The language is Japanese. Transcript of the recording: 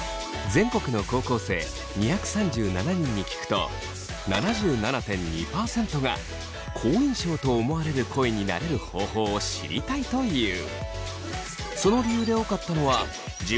全国の高校生２３７人に聞くと７７．２％が好印象と思われる声になれる方法を知りたいという。